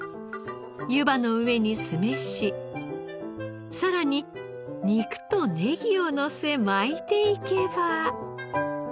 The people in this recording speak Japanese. ゆばの上に酢飯さらに肉とネギをのせ巻いていけば。